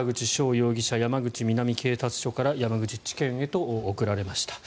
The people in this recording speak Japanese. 容疑者山口南警察署から山口地検へと送られました。